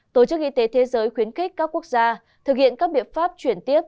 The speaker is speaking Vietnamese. tổ chức y tế thế giới khuyến khích các quốc gia thực hiện các biện pháp chuyển tiếp